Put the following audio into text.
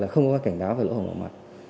không có cảnh báo về lỗ hổng bảo mật